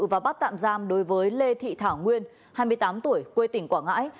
và bắt tạm giam đối với lê thị thảo nguyên hai mươi tám tuổi quê tỉnh quảng ngãi